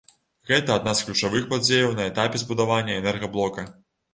Гэта адна з ключавых падзеяў на этапе збудавання энергаблока.